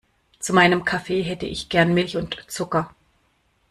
Zu meinem Kaffee hätte ich gern Milch und Zucker.